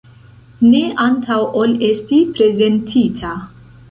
Ne antaŭ ol esti prezentita.